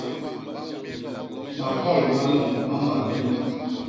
Mahol ma loñ ma mbat hi mut.